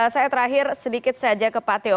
saya terakhir sedikit saja ke pak teo